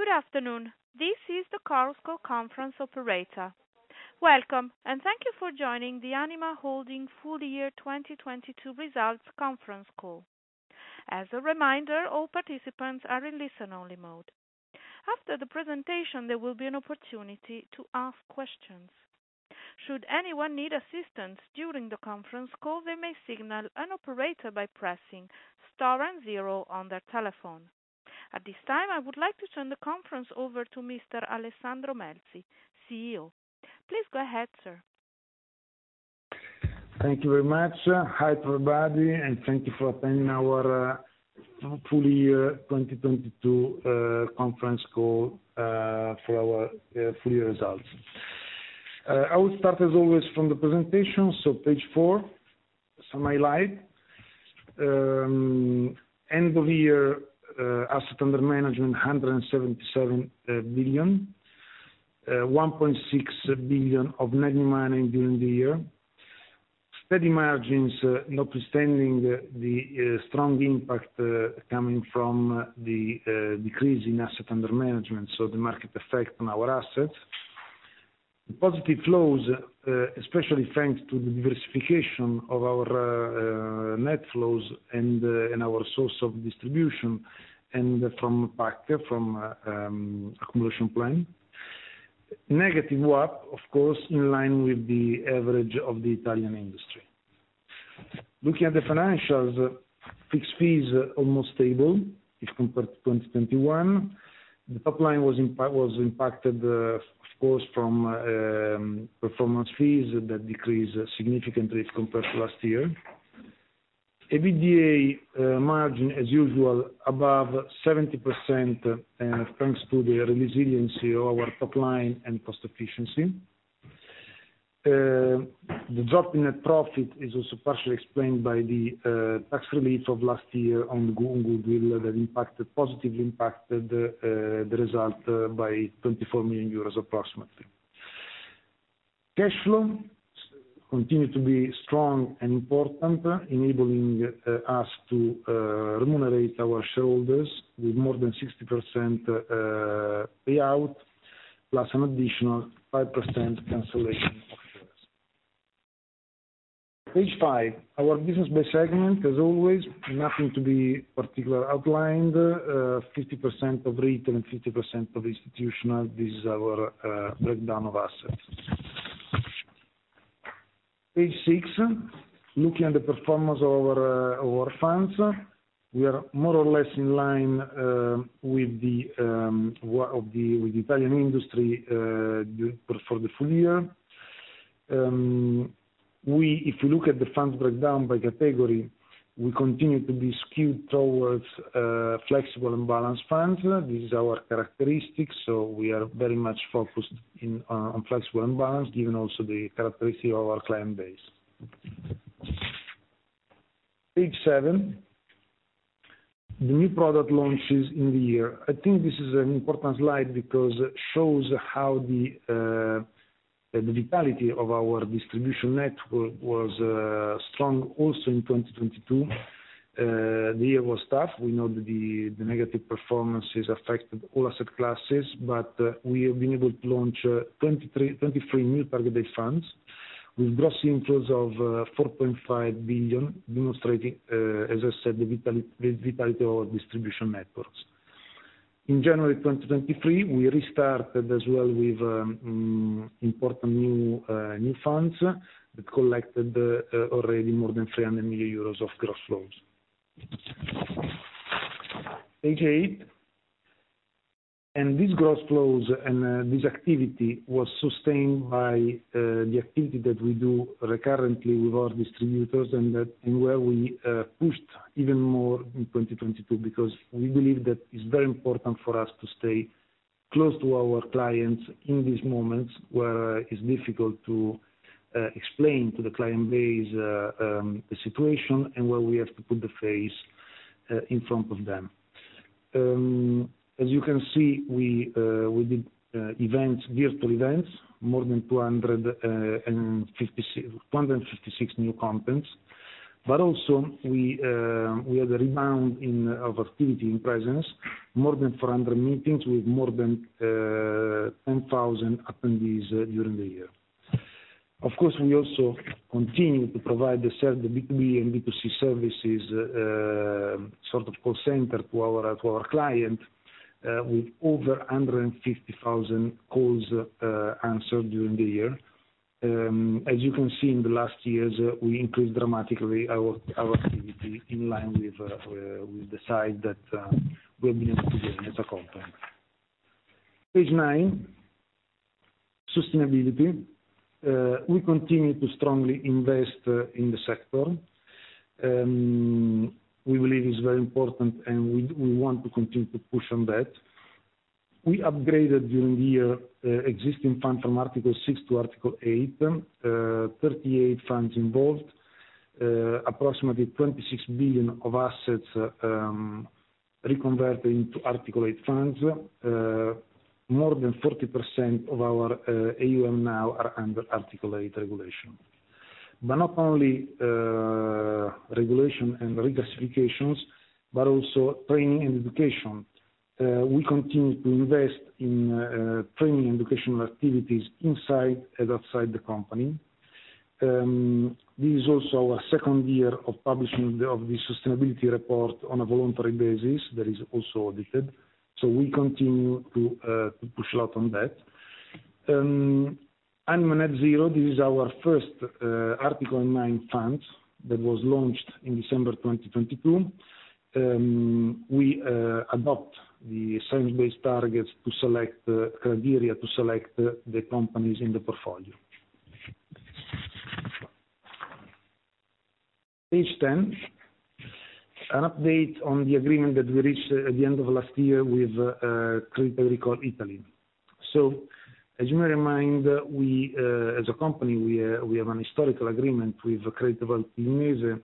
Good afternoon. This is the Chorus Call Conference operator. Welcome, and thank you for joining the ANIMA Holding full year 2022 Results conference call. As a reminder, all participants are in listen-only mode. After the presentation, there will be an opportunity to ask questions. Should anyone need assistance during the conference call, they may signal an operator by pressing star and zero on their telephone. At this time, I would like to turn the conference over to Mr. Alessandro Melzi, CEO. Please go ahead, sir. Thank you very much. Hi, everybody, thank you for attending our full year 2022 conference call for our full year results. I will start as always from the presentation, so page four, summary slide. End of year asset under management, 177 billion. 1.6 billion of net new money during the year. Steady margins, notwithstanding the strong impact coming from the decrease in asset under management, so the market effect on our assets. The positive flows, especially thanks to the diversification of our net flows and our source of distribution and from PAC, from accumulation plan. Negative WAP, of course, in line with the average of the Italian industry. Looking at the financials, fixed fees almost stable if compared to 2021. The top line was impacted, of course, from performance fees that decreased significantly as compared to last year. EBITDA margin as usual above 70%, thanks to the resiliency of our top line and cost efficiency. The drop in net profit is also partially explained by the tax relief of last year on goodwill that impacted, positively impacted, the result by 24 million euros approximately. Cash flow continued to be strong and important, enabling us to remunerate our shareholders with more than 60% payout, plus an additional 5% cancellation of shares. Page five. Our business by segment as always, nothing to be particular outlined. 50% of retail and 50% of institutional. This is our breakdown of assets. Page six. Looking at the performance of our funds, we are more or less in line with Italian industry for the full year. If you look at the funds breakdown by category, we continue to be skewed towards flexible and balanced funds. This is our characteristics, so we are very much focused in on flexible and balanced, given also the characteristic of our client base. Page seven. The new product launches in the year. I think this is an important slide because it shows how the vitality of our distribution network was strong also in 2022. The year was tough. We know the negative performances affected all asset classes. We have been able to launch 23 new target date funds with gross inflows of 4.5 billion, demonstrating, as I said, the vitality of our distribution networks. In January 2023, we restarted as well with important new funds that collected already more than 300 million euros of gross flows. Page eight. These gross flows and this activity was sustained by the activity that we do recurrently with our distributors and where we pushed even more in 2022 because we believe that it's very important for us to stay close to our clients in these moments where it's difficult to explain to the client base the situation and where we have to put the face in front of them. As you can see, we did events, virtual events, more than 156 new contents. Also we had a rebound of activity in presence, more than 400 meetings with more than 10,000 attendees during the year. Of course, we also continue to provide the B2B and B2C services, sort of call center to our, to our client, with over 150,000 calls answered during the year. As you can see in the last years, we increased dramatically our activity in line with the side that we have been able to gain as a company. Page nine. Sustainability. We continue to strongly invest in the sector. We believe it's very important, and we want to continue to push on that. We upgraded during the year, existing fund from Article 6 to Article 8. 38 funds involved. Approximately 26 billion of assets reconverted into Article 8 funds. More than 40% of our AUM now are under Article 8 regulation. But not only regulation and re-clasifications, but also training and education. We continue to invest in training and educational activities inside and outside the company. This is also our second year of publishing the sustainability report on a voluntary basis that is also audited. We continue to push a lot on that. ANIMA Net Zero, this is our first Article 9 fund that was launched in December 2022. We adopt the science-based targets to select criteria to select the companies in the portfolio. Page 10. An update on the agreement that we reached at the end of last year with Crédit Agricole Italia. As you may remind, we, as a company, we have an historical agreement with Credito Valtellinese.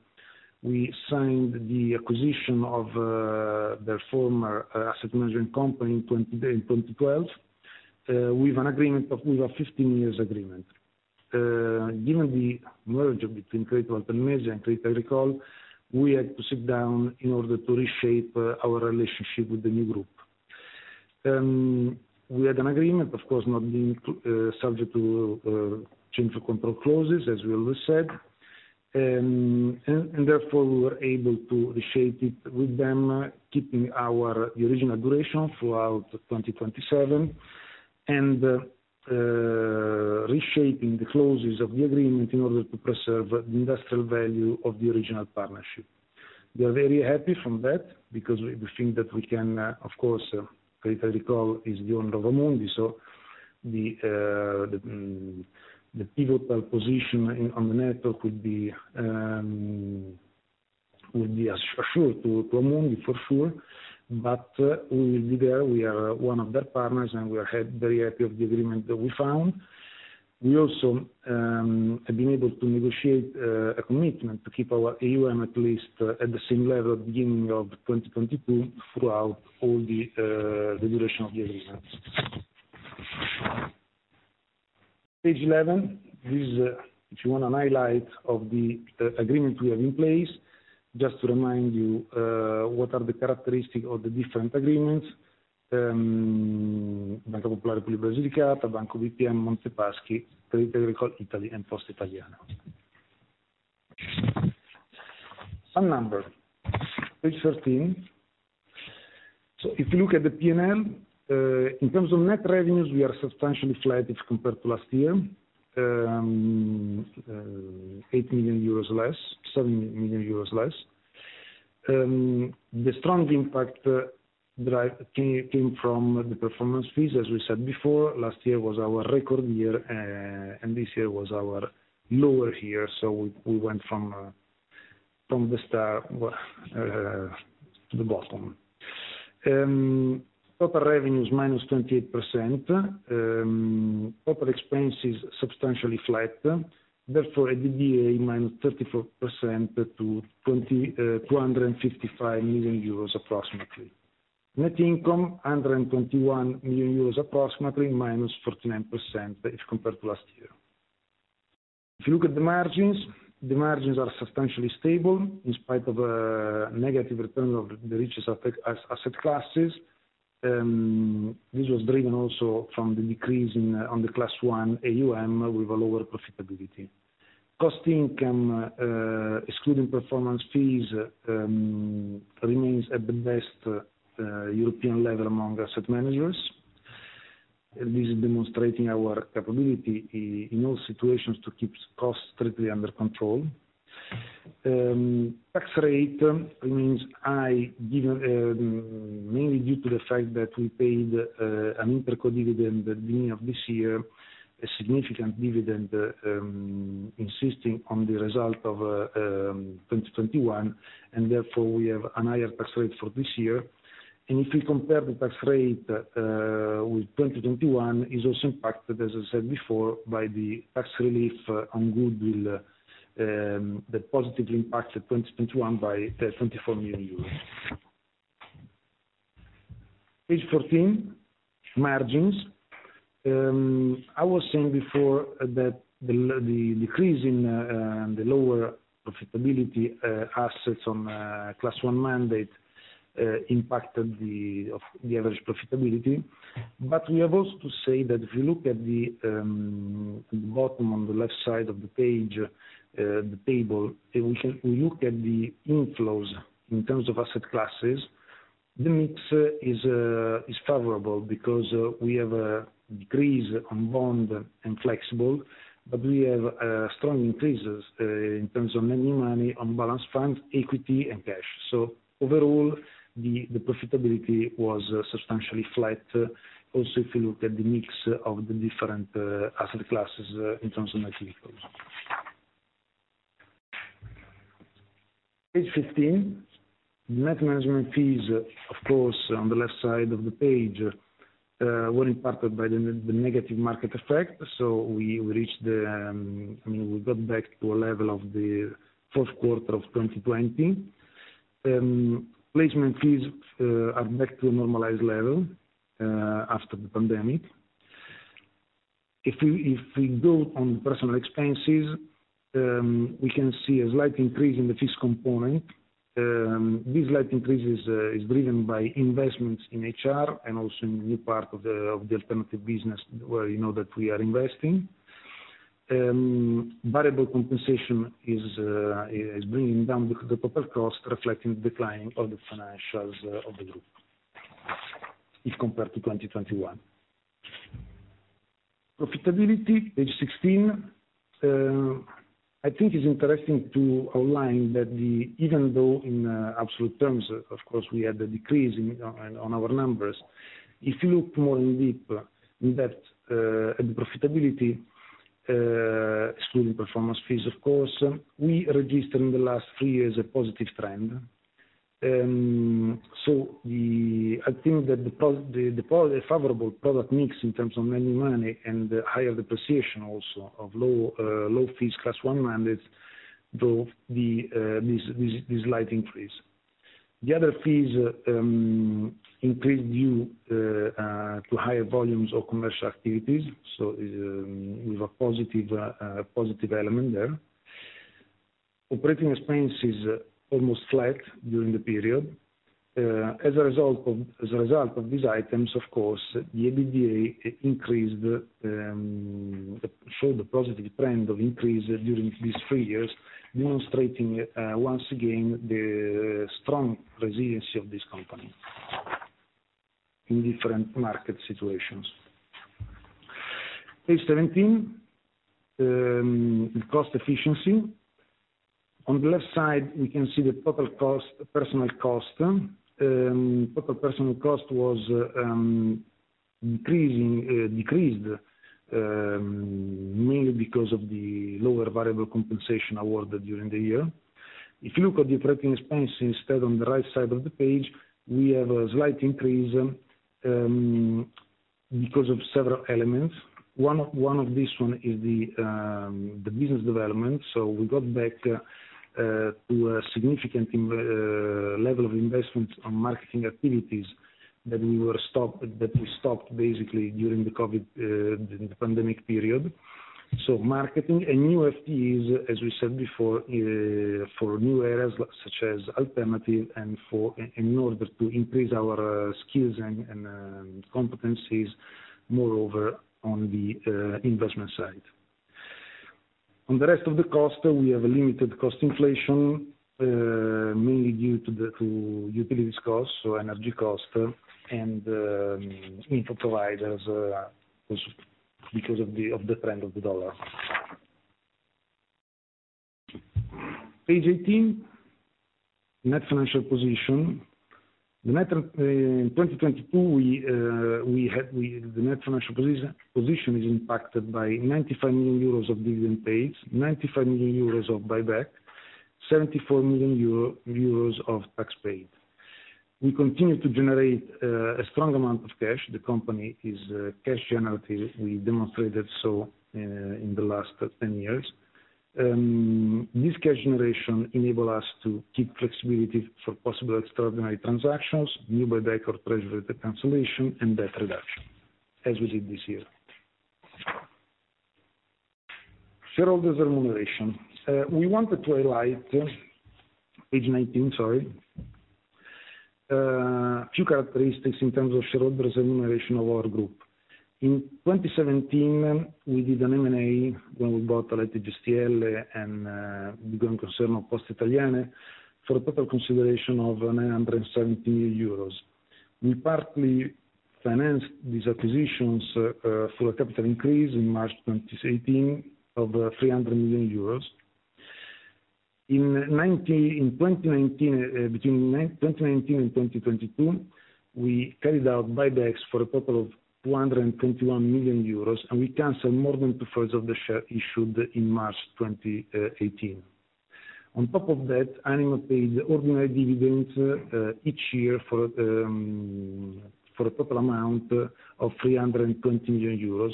We signed the acquisition of their former asset management company in 2012 with a 15 years agreement. Given the merger between Credito Valtellinese and Crédit Agricole, we had to sit down in order to reshape our relationship with the new group. We had an agreement, of course, not being subject to change of control clauses, as we always said. Therefore, we were able to reshape it with them, keeping the original duration throughout 2027, and reshaping the clauses of the agreement in order to preserve the industrial value of the original partnership. We are very happy from that because we think that we can, of course, Crédit Agricole is beyond Amundi, the pivotal position on the network would be as sure to promote it for sure. We will be there. We are one of their partners, and we are very happy of the agreement that we found. We also have been able to negotiate a commitment to keep our AUM at least at the same level at the beginning of 2022 throughout all the duration of the agreement. Page 11. This is if you want an highlight of the agreement we have in place, just to remind you what are the characteristics of the different agreements. Banca Popolare di Puglia e Basilicata, Banco BPM, Monte Paschi, Crédit Agricole Italia, and Poste Italiane. Some numbers. Page 13. If you look at the P&L, in terms of net revenues, we are substantially flat if compared to last year. 80 million euros less, 7 million euros less. The strong impact came from the performance fees. As we said before, last year was our record year, and this year was our lower year, so we went from the star to the bottom. Total revenues -28%. Total expenses substantially flat. Therefore, EBITDA -34% to 255 million euros approximately. Net income, 121 million euros approximately, -49% if compared to last year. If you look at the margins, the margins are substantially stable in spite of a negative return of the risk-off effect, asset classes. This was driven also from the decrease on the Class 1 AUM with a lower profitability. Cost income, excluding performance fees, remains at the best European level among asset managers. This is demonstrating our capability in all situations to keep costs strictly under control. Tax rate remains high given mainly due to the fact that we paid an interco dividend at the beginning of this year, a significant dividend, insisting on the result of 2021, therefore we have a higher tax rate for this year. If we compare the tax rate with 2021, it's also impacted, as I said before, by the tax relief on goodwill that positively impacted 2021 by EUR 24 million. Page 14, margins. I was saying before that the decrease in the lower profitability assets on class one mandate impacted the of the average profitability. We have also to say that if you look at the at the bottom on the left side of the page, the table, if we can, we look at the inflows in terms of asset classes, the mix is is favorable because we have a decrease on bond and flexible, but we have strong increases in terms of any money on balanced funds, equity and cash. Overall, the profitability was substantially flat. Also, if you look at the mix of the different asset classes in terms of net inflows. Page 15. Net management fees, of course, on the left side of the page, were impacted by the negative market effect. We reached the, I mean, we got back to a level of the fourth quarter of 2020. Placement fees are back to a normalized level after the pandemic. We go on personal expenses, we can see a slight increase in the fixed component. This slight increase is driven by investments in HR and also in new part of the alternative business where you know that we are investing. Variable compensation is bringing down the total cost reflecting the decline of the financials of the group if compared to 2021. Profitability, page 16. I think it's interesting to outline that the... even though in absolute terms, of course, we had a decrease in on our numbers. If you look more in depth in that, at the profitability, excluding performance fees, of course, we registered in the last three years a positive trend. I think that the favorable product mix in terms of managing money and the higher depreciation also of low, low fees class one mandates drove this slight increase. The other fees increased due to higher volumes of commercial activities. We have a positive element there. Operating expense is almost flat during the period. As a result of these items, of course, the EBITDA increased, showed the positive trend of increase during these three years, demonstrating once again the strong resiliency of this company in different market situations. Page 17. Cost efficiency. On the left side, we can see the total cost, personal cost. Total personal cost decreased mainly because of the lower variable compensation awarded during the year. If you look at the operating expense instead on the right side of the page, we have a slight increase because of several elements. One of this one is the business development. We got back to a significant level of investment on marketing activities that we stopped basically during the COVID, the pandemic period. Marketing and new FTEs, as we said before, for new areas such as alternative and in order to increase our skills and competencies moreover on the investment side. On the rest of the cost, we have a limited cost inflation, mainly due to utilities costs, so energy cost and info providers, also because of the trend of the dollar. Page 18, net financial position. In 2022, the net financial position is impacted by 95 million euros of dividend paid, 95 million euros of buyback, 74 million euro of tax paid. We continue to generate a strong amount of cash. The company is cash generative. We demonstrated so in the last 10 years. This cash generation enable us to keep flexibility for possible extraordinary transactions, new buyback or treasury stock cancellation, and debt reduction, as we did this year. Shareholders remuneration. We wanted to highlight, page 19, sorry, a few characteristics in terms of shareholders remuneration of our group. In 2017, we did an M&A when we bought Alleanza SGR and the going concern of Poste Italiane for a total consideration of 970 million euros. We partly financed these acquisitions through a capital increase in March 2018 of 300 million euros. In 2019, between 2019 and 2022, we carried out buybacks for a total of 221 million euros, and we canceled more than two-thirds of the share issued in March 2018. On top of that, ANIMA paid ordinary dividends each year for a total amount of 320 million euros.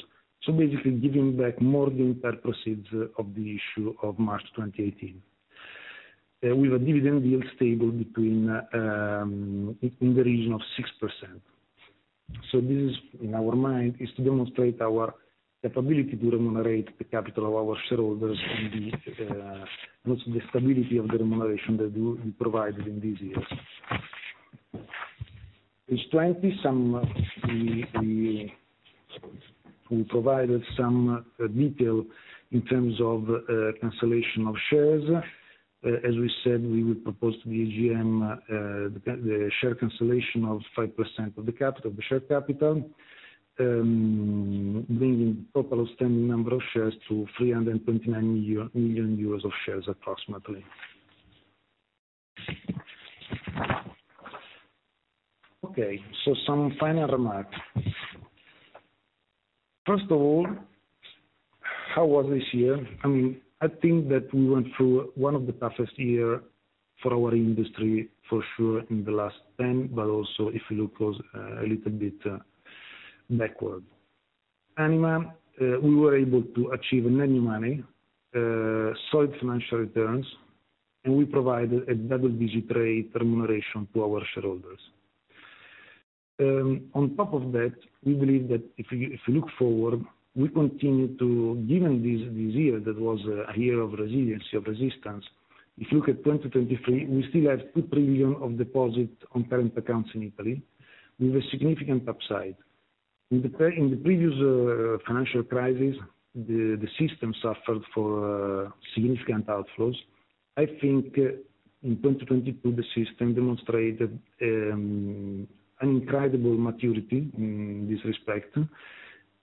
Basically giving back more than net proceeds of the issue of March 2018. With a dividend yield stable in the region of 6%. This, in our mind, is to demonstrate our capability to remunerate the capital of our shareholders and also the stability of the remuneration that we provided in these years. Page 20, we provided some detail in terms of cancellation of shares. As we said, we would propose to the AGM the share cancellation of 5% of the capital, the share capital, bringing total outstanding number of shares to 329 million euros of shares, approximately. Some final remarks. First of all, how was this year? I mean, I think that we went through one of the toughest year for our industry for sure in the last 10, but also if you look close, a little bit backward. ANIMA, we were able to achieve many money, solid financial returns. We provide a double-digit rate remuneration to our shareholders. On top of that, we believe that if you look forward, given this year, that was a year of resiliency, of resistance. If you look at 2023, we still have 2 trillion of deposits on parent accounts in Italy with a significant upside. In the previous financial crisis, the system suffered for significant outflows. I think in 2022, the system demonstrated an incredible maturity in this respect.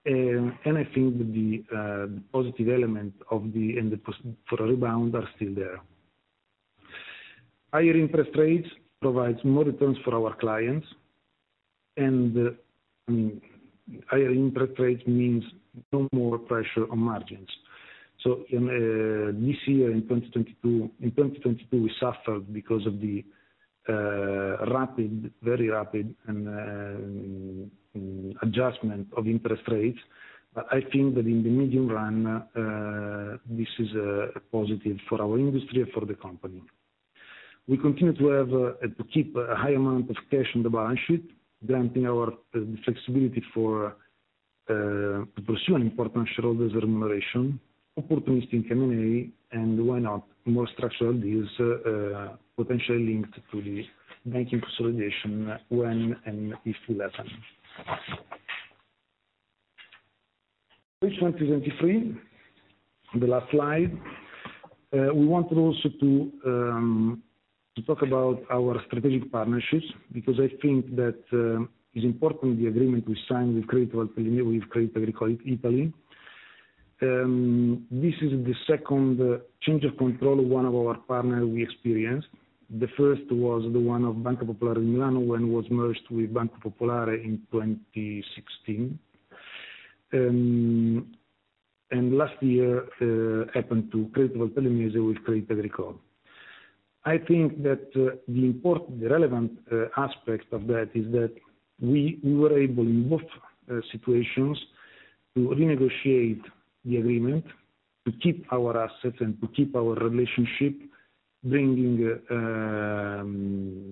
I think the positive element of the... for a rebound are still there. Higher interest rates provides more returns for our clients. Higher interest rates means no more pressure on margins. In this year, in 2022, we suffered because of the rapid, very rapid and adjustment of interest rates. I think that in the medium run, this is positive for our industry and for the company. We continue to have to keep a high amount of cash on the balance sheet, granting our, the flexibility for to pursue an important shareholders remuneration, opportunistic M&A, and why not more structural deals, potentially linked to the banking consolidation when and if will happen. Which 2023, the last slide. We wanted also to talk about our strategic partnerships because I think that it's important the agreement we signed with Credito Valtellinese, with Crédit Agricole Italia. This is the second change of control of one of our partner we experienced. The first was the one of Banca Popolare di Milano when it was merged with Banca Popolare in 2016. Last year happened to Credito Valtellinese with Crédit Agricole Italia. I think that the relevant aspect of that is that we were able in both situations to renegotiate the agreement, to keep our assets and to keep our relationship bringing,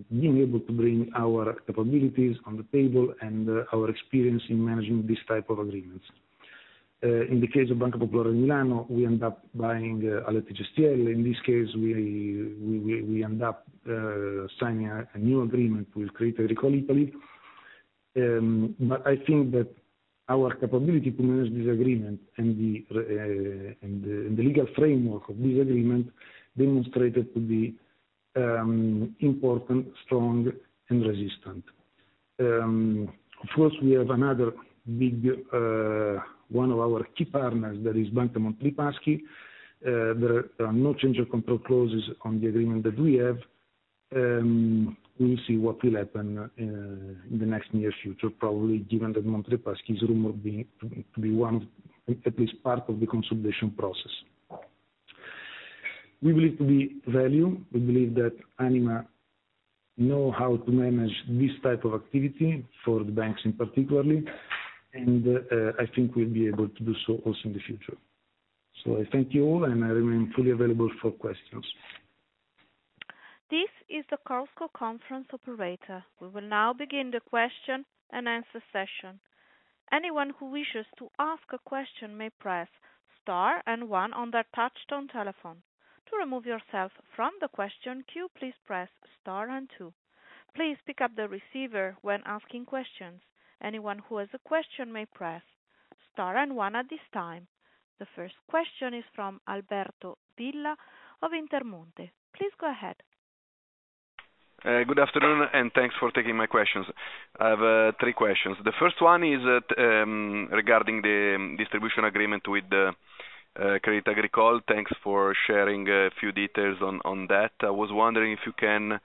being able to bring our capabilities on the table and our experience in managing these type of agreements. In the case of Banca Popolare di Milano, we end up buying Alleanza SGR. In this case, we end up signing a new agreement with Crédit Agricole Italia. I think that our capability to manage this agreement and the legal framework of this agreement demonstrated to be important, strong and resistant. Of course, we have another big, one of our key partners that is Banca Monte dei Paschi. There are no change of control clauses on the agreement that we have. We'll see what will happen in the next near future, probably given that Monte dei Paschi's rumor being to be one at least part of the consolidation process. We believe to be value. We believe that ANIMA know how to manage this type of activity for the banks in particularly, and I think we'll be able to do so also in the future. I thank you all, and I remain fully available for questions. This is the Chorus call conference operator. We will now begin the question and answer session. Anyone who wishes to ask a question may press star and one on their touchtone telephone. To remove yourself from the question queue, please press star and two. Please pick up the receiver when asking questions. Anyone who has a question may press star and One at this time. The first question is from Alberto Villa of Intermonte. Please go ahead. Good afternoon, thanks for taking my questions. I have three questions. The first one is regarding the distribution agreement with Crédit Agricole. Thanks for sharing a few details on that. I was wondering if you can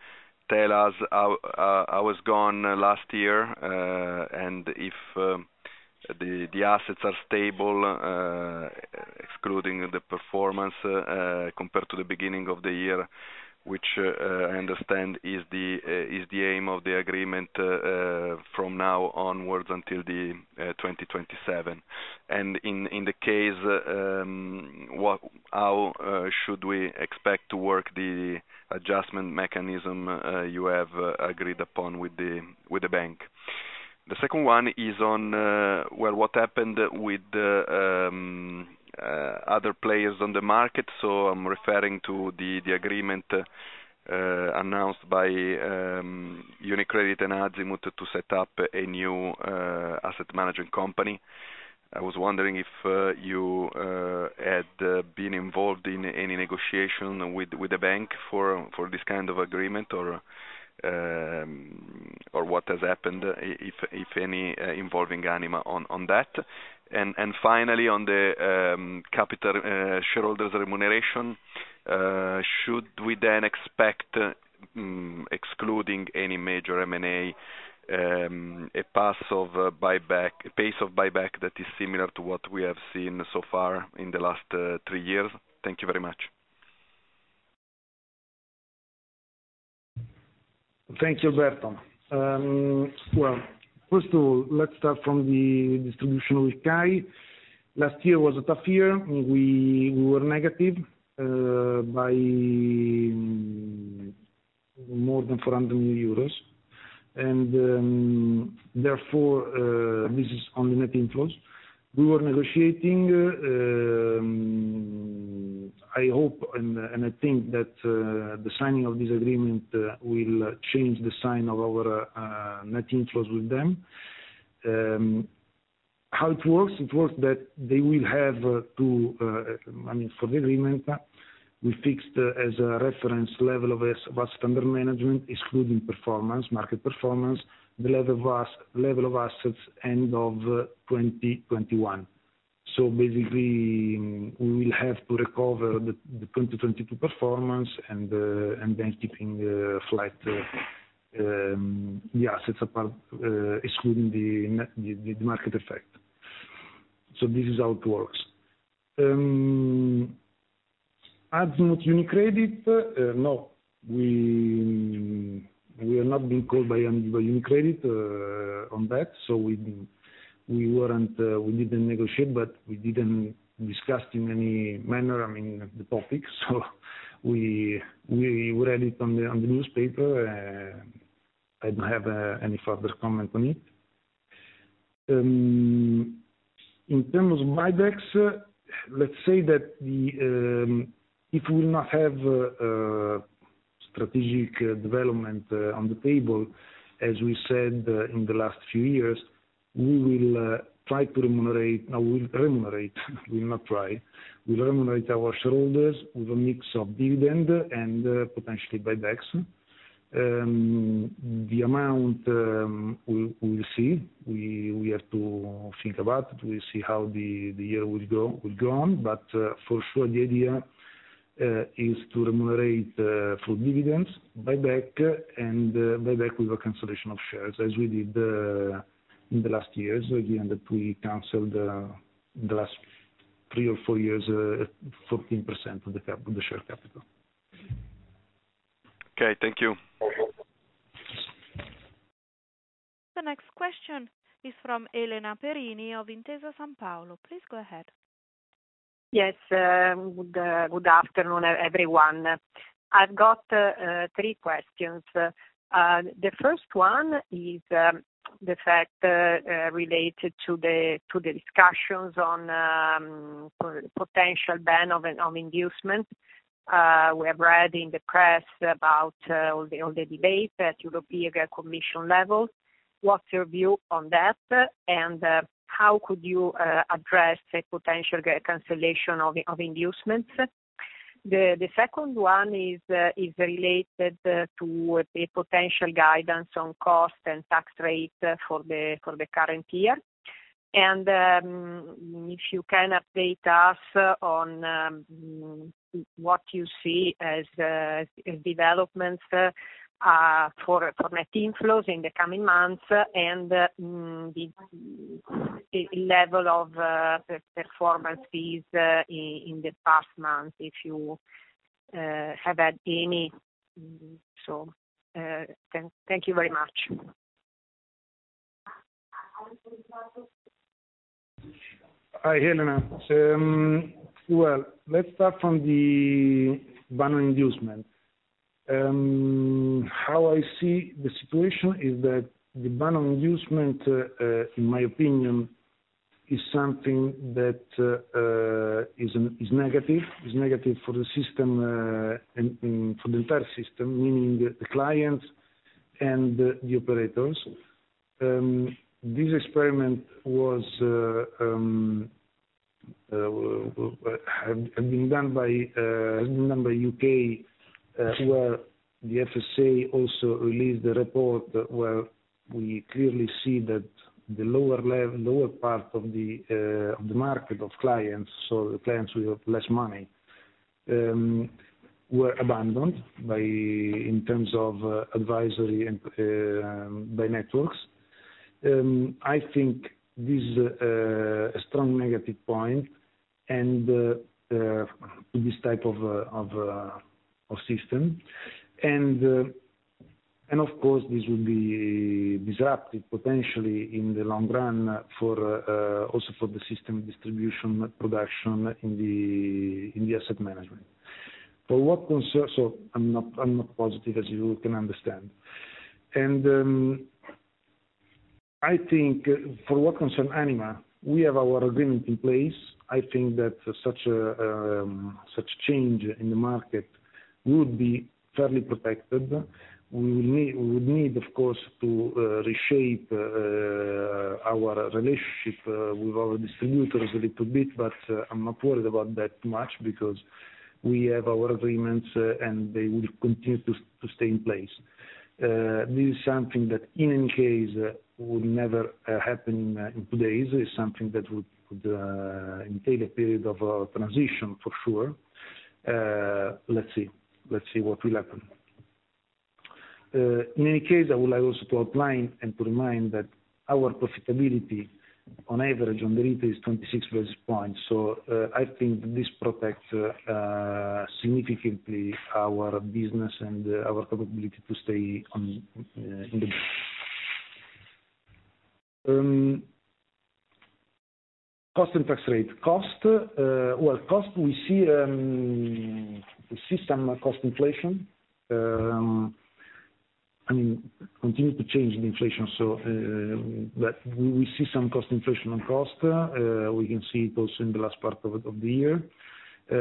tell us how it was gone last year, if the assets are stable, excluding the performance, compared to the beginning of the year, which I understand is the aim of the agreement from now onwards until 2027. In the case, how should we expect to work the adjustment mechanism you have agreed upon with the bank? The second one is on, well, what happened with the other players on the market. I'm referring to the agreement announced by UniCredit and Azimut to set up a new asset management company. I was wondering if you had been involved in any negotiation with the bank for this kind of agreement or what has happened, if any, involving ANIMA on that. Finally on the capital shareholders remuneration, should we then expect, excluding any major M&A, a pass of buyback, a pace of buyback that is similar to what we have seen so far in the last three years? Thank you very much. Thank you, Alberto. Well, first of all, let's start from the distribution with CAI. Last year was a tough year. We were negative by more than 400 million euros. Therefore, this is on the net inflows. We were negotiating. I hope and I think that the signing of this agreement will change the sign of our net inflows with them. How it works, it works that they will have to, I mean, for the agreement, we fixed as a reference level of asset under management, excluding performance, market performance, the level of assets end of 2021. Basically, we will have to recover the 2022 performance and then keeping flat the assets apart, excluding the net, the market effect. This is how it works. As not UniCredit, no. We are not being called by UniCredit on that. We weren't, we didn't negotiate, but we didn't discuss in any manner, I mean, the topic. We read it on the newspaper. I don't have any further comment on it. In terms of buybacks, let's say that if we will not have strategic development on the table, as we said in the last few years, we will try to remunerate... We will remunerate, we will not try. We'll remunerate our shareholders with a mix of dividend and potentially buybacks. The amount, we'll see. We have to think about it. We'll see how the year will go on. For sure, the idea is to remunerate through dividends, buyback, and buyback with a cancellation of shares, as we did in the last years. At the end that we canceled in the last three or four years, 14% of the share capital. Okay, thank you. The next question is from Elena Perini of Intesa Sanpaolo. Please go ahead. Yes. Good afternoon, everyone. I've got three questions. The first one is the fact related to the discussions on potential ban of inducement. We have read in the press about the debate at European Commission level. What's your view on that? How could you address a potential cancellation of inducements? The second one is related to the potential guidance on cost and tax rate for the current year. If you can update us on what you see as developments for net inflows in the coming months and the level of performance fees in the past months, if you have had any. Thank you very much. Hi, Elena. Well, let's start from the ban on inducement. How I see the situation is that the ban on inducement, in my opinion, is something that is negative. Is negative for the system, and for the entire system, meaning the clients and the operators. This experiment was had been done by I remember U.K., where the FSA also released a report where we clearly see that the lower part of the market of clients, so the clients with less money, were abandoned by, in terms of advisory and by networks. I think this is a strong negative point and this type of system. Of course, this will be disruptive potentially in the long run for also for the system distribution production in the asset management. I'm not positive, as you can understand. I think for what concern ANIMA, we have our agreement in place. I think that such change in the market would be fairly protected. We would need, of course, to reshape our relationship with our distributors a little bit, but I'm not worried about that much because we have our agreements and they will continue to stay in place. This is something that in any case would never happen in two days. It's something that would entail a period of transition for sure. Let's see. Let's see what will happen. In any case, I would like also to outline and to remind that our profitability on average on the rate is 26 basis points. I think this protects significantly our business and our capability to stay on in the cost and tax rate. Cost, well, we see some cost inflation. I mean, continue to change the inflation. We see some cost inflation on costs. We can see it also in the last part of the year. As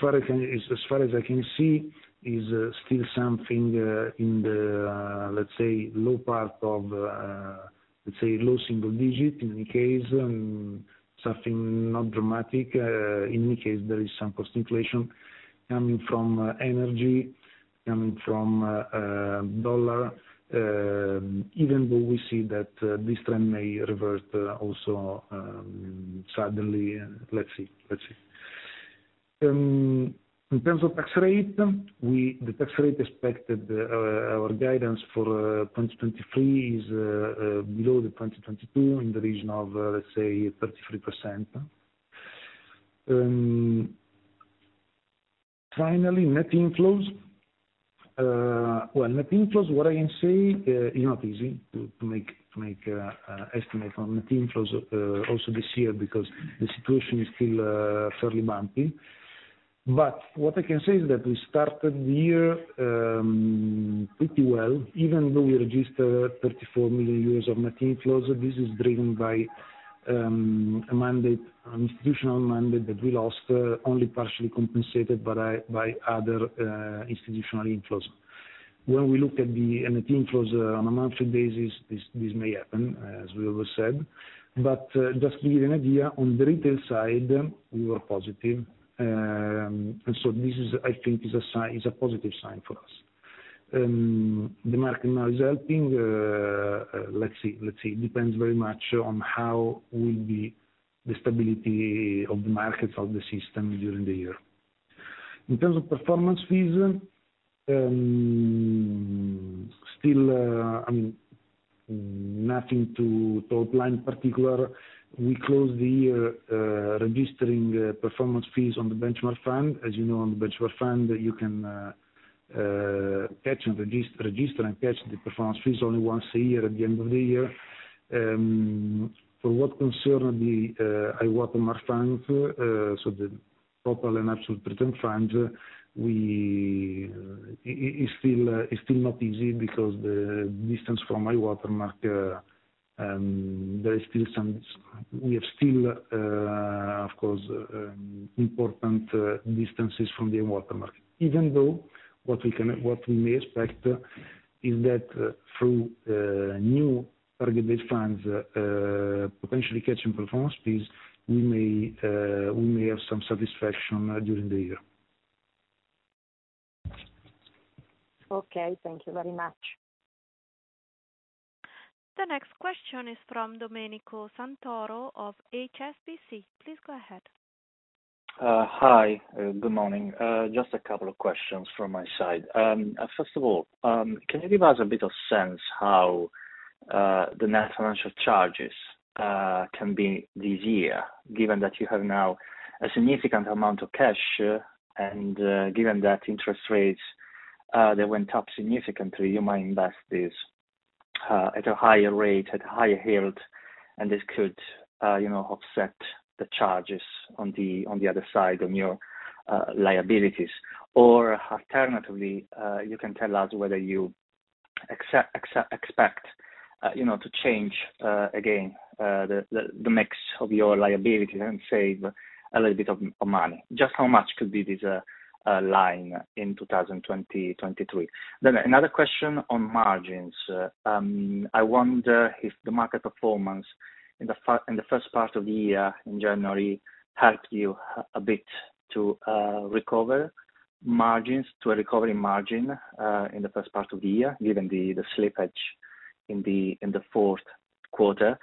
far as I can see is still something in the, let's say, low part of, let's say low single digit in any case. Something not dramatic. In any case, there is some cost inflation coming from energy, coming from the dollar. Even though we see that this trend may revert also suddenly. Let's see, let's see. In terms of tax rate, the tax rate expected, our guidance for 2023 is below the 2022 in the region of, let's say, 33%. Finally, net inflows. Well, net inflows, what I can say, is not easy to make estimate on net inflows also this year because the situation is still fairly bumpy. What I can say is that we started the year pretty well, even though we registered 34 million euros of net inflows. This is driven by a mandate, an institutional mandate that we lost, only partially compensated by other institutional inflows. When we look at the net inflows on a monthly basis, this may happen, as we always said. Just to give you an idea, on the retail side, we were positive. This is, I think, is a positive sign for us. The market now is helping. Let's see. Let's see. Depends very much on how will be the stability of the markets, of the system during the year. In terms of performance fees, still, I mean, nothing to outline particular. We closed the year, registering performance fees on the benchmark fund. As you know, on the benchmark fund, you can catch and register the performance fees only once a year at the end of the year. For what concern the high watermark fund, so the proper and absolute return funds, it's still not easy because the distance from high watermark, we have still, of course, important distances from the watermark. Even though what we can, what we may expect is that through new target-based funds, potentially catching performance fees, we may have some satisfaction during the year. Okay. Thank you very much. The next question is from Domenico Santoro of HSBC. Please go ahead. Hi, good morning. Just a couple of questions from my side. First of all, can you give us a bit of sense how the net financial charges can be this year, given that you have now a significant amount of cash and given that interest rates they went up significantly, you might invest this at a higher rate, at higher yield, and this could, you know, offset the charges on the other side on your liabilities? Alternatively, you can tell us whether you expect, you know, to change again the mix of your liabilities and save a little bit of money. Just how much could be this line in 2023? Another question on margins. I wonder if the market performance in the first part of the year in January helped you a bit to recover margins to a recovery margin in the first part of the year, given the slippage in the fourth quarter.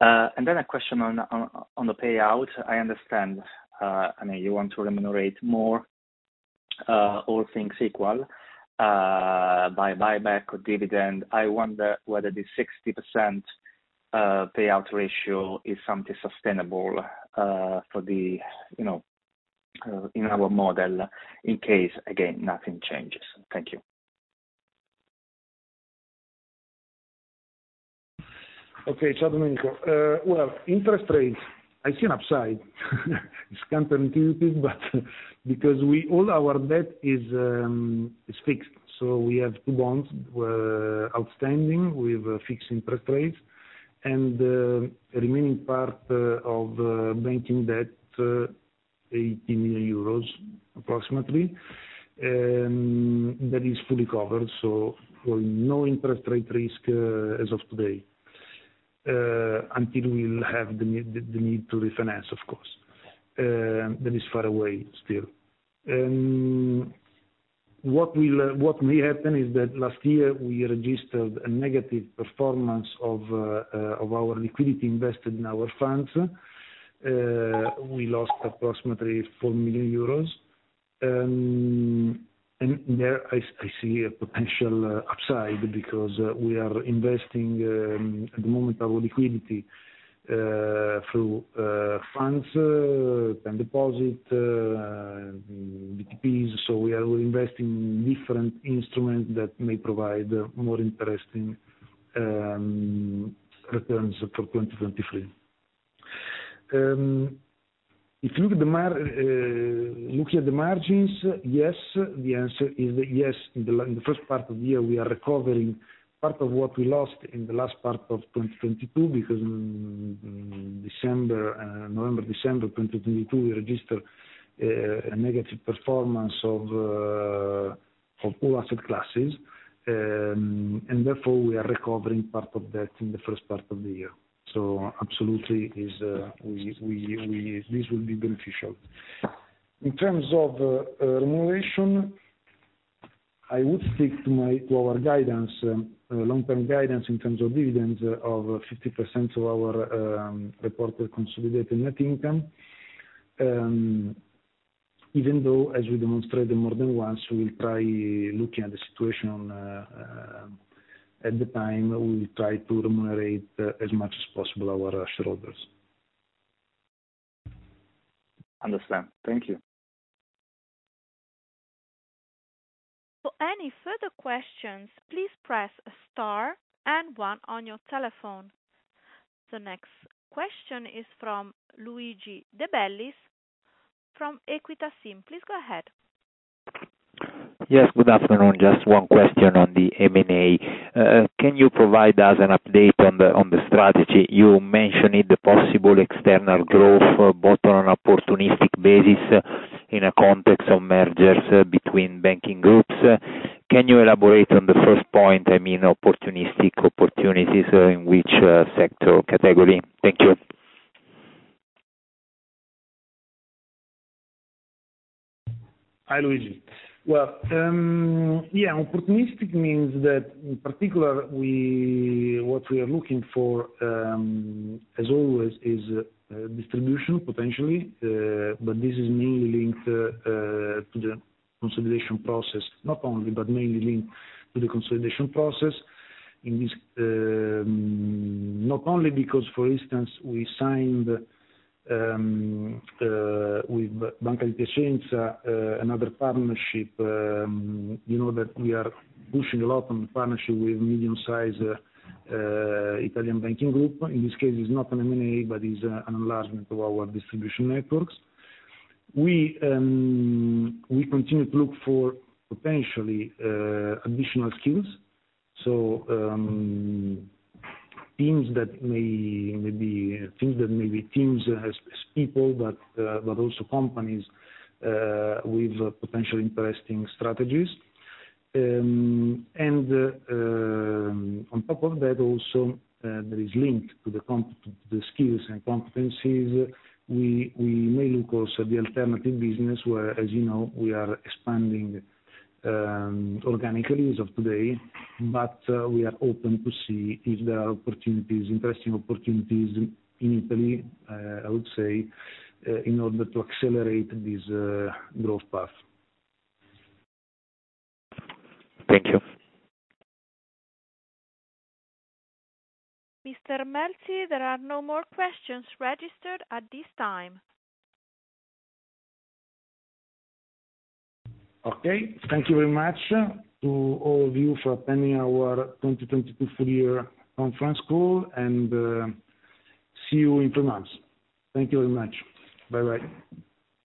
Then a question on the payout. I understand, I mean, you want to remunerate more, all things equal, by buyback or dividend. I wonder whether the 60% payout ratio is something sustainable for the, you know, in our model in case, again, nothing changes. Thank you. Okay. Ciao, Domenico. Well, interest rates, I see an upside despite uncertainties because all our debt is fixed. We have two bonds outstanding with fixed interest rates and the remaining part of banking debt, 80 million euros approximately. That is fully covered, for no interest rate risk as of today. Until we'll have the need to refinance, of course. That is far away still. What may happen is that last year we registered a negative performance of our liquidity invested in our funds. We lost approximately 4 million euros. There I see a potential upside because we are investing at the moment our liquidity through funds, term deposit, BTPs. We are investing in different instruments that may provide more interesting returns for 2023. If you look at the margins, yes, the answer is yes. In the first part of the year, we are recovering part of what we lost in the last part of 2022, because in December, November, December 2022, we registered a negative performance of all asset classes. Therefore we are recovering part of that in the first part of the year. Absolutely is, this will be beneficial. In terms of remuneration, I would stick to my, to our guidance, long-term guidance in terms of dividends of 50% of our reported consolidated net income, even though as we demonstrated more than once, we will try looking at the situation at the time, we will try to remunerate as much as possible our shareholders. Understand. Thank you. For any further questions, please press star and one on your telephone. The next question is from Luigi De Bellis from Equita SIM. Please go ahead. Yes, good afternoon. Just one question on the M&A. Can you provide us an update on the, on the strategy? You mentioned it, the possible external growth, both on an opportunistic basis in a context of mergers between banking groups. Can you elaborate on the first point, I mean, opportunistic opportunities, in which, sector category? Thank you. Hi, Luigi. Well, yeah. Opportunistic means that in particular what we are looking for, as always, is distribution potentially. This is mainly linked to the consolidation process. Not only, mainly linked to the consolidation process. In this, not only because for instance, we signed with Banca Ifis another partnership, you know, that we are pushing a lot on the partnership with medium-sized Italian banking group. In this case, it's not an M&A but is an enlargement of our distribution networks. We continue to look for potentially additional skills. teams that may be teams as people, but also companies with potential interesting strategies. On top of that also, there is link to the skills and competencies. We may look also the alternative business where, as you know, we are expanding organically as of today, but we are open to see if there are opportunities, interesting opportunities in Italy, I would say, in order to accelerate this growth path. Thank you. Mr. Melzi, there are no more questions registered at this time. Okay. Thank you very much to all of you for attending our 2022 full year conference call and see you in two months. Thank you very much. Bye-bye.